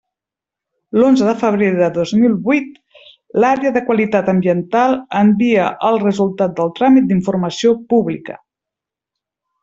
L'onze de febrer de dos mil huit l'Àrea de Qualitat Ambiental envia el resultat del tràmit d'informació pública.